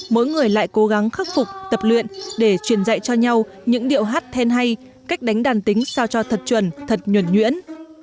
mỗi người lại cố gắng khắc phục tập luyện để truyền dạy cho nhau những điệu hát then hay cách đánh đàn tính sao cho thật chuẩn thật nhuẩn nhuyễn